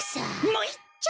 もういっちょ！